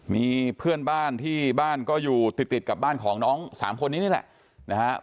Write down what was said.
มีเพื่อนบ้านที่บ้านก็อยู่ติดกับบ้านของน้องสามคนนี้นี่แหละนะฮะ